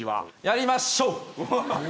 やりましょう！